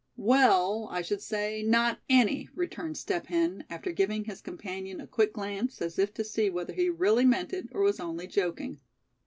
"Well, I should say, not any," returned Step Hen, after giving his companion a quick glance, as if to see whether he really meant it, or was only joking.